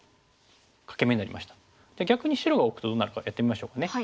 じゃあ逆に白が置くとどうなるかやってみましょうかね。